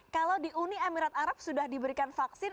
kalau di uni emirat arab sudah diberikan vaksin